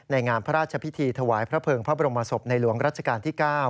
งามพระราชพิธีถวายพระเภิงพระบรมศพในหลวงรัชกาลที่๙